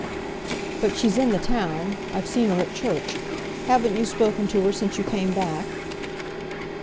"But she's in the town. I've seen her at church. Haven't you spoken to her since you came back?"